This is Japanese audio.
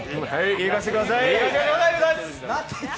いかしてください！